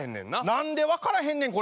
何で分からへんねんこれで。